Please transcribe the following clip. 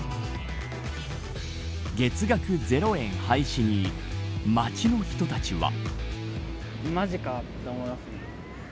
月額０円廃止に街の人たちは。